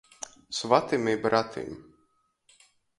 Svatim i bratim.